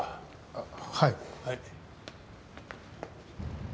あっはい。